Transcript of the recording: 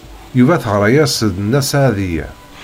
Yuba teɣra-as-d Nna Seɛdiya.